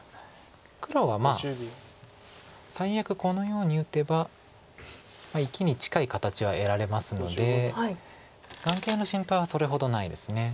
黒は最悪このように打てば生きに近い形は得られますので眼形の心配はそれほどないです。